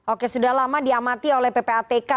oke sudah lama diamati oleh ppatk